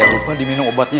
jangan lupa diminum obatnya ya